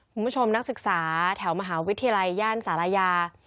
นักศึกษาแถวมหาวิทยาลัยย่านศาลายา